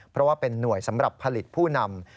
เพราะว่าเป็นหน่วยสำหรับผลิตผู้นำ